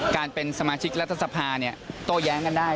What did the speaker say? การเป็นสมาชิกรัฐสภาโต้แย้งกันได้